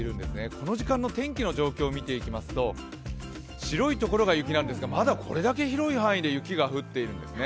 この時間の天気の状況を見ていきますと白いところが雪なんですが、まだこれだけ広い範囲で雪が降っているんですね。